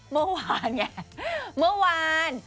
เมื่อวานไงเมื่อวาน